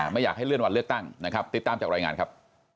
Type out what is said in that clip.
ไม่อยากให้เลื่อนวันเลือกตั้งนะครับติดตามจากรายงานครับ